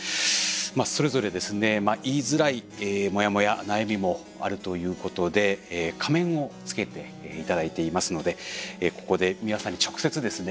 まあそれぞれですね言いづらいモヤモヤ悩みもあるということで仮面をつけて頂いていますのでここで美輪さんに直接ですね